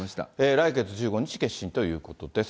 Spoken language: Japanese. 来月１５日、結審ということです。